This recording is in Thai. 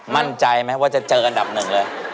มั่นใจไหมว่าจะเจออันดับหนึ่งเลย